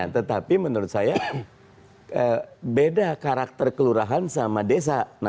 tetapi menurut saya beda karakter kelurahan sama desa